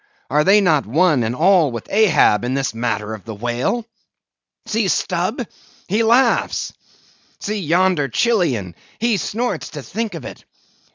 Are they not one and all with Ahab, in this matter of the whale? See Stubb! he laughs! See yonder Chilian! he snorts to think of it.